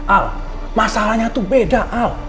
al masalahnya itu beda al